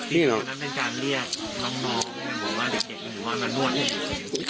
นี่หรือ